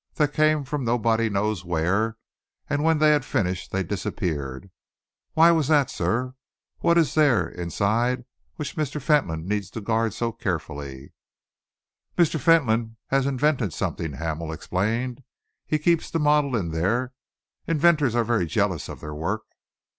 They came from nobody knows where, and when they had finished they disappeared. Why was that, sir? What is there inside which Mr. Fentolin needs to guard so carefully?" "Mr. Fentolin has invented something," Hamel explained. "He keeps the model in there. Inventors are very jealous of their work."